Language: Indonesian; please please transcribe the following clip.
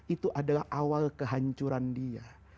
itu adalah awal kehancuran dia